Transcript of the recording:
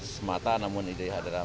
semata namun ini adalah